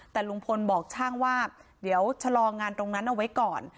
แต่ลุงพลบอกช่างว่าเดี๋ยวชะลองานตรงนั้นเอาไว้ก่อน